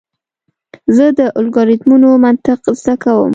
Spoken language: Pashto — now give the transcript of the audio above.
زه د الگوریتمونو منطق زده کوم.